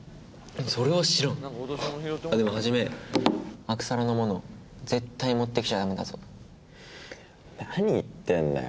それは知らんあでもはじめアクサラのもの絶対持ってきちゃダメだぞ何言ってんだよ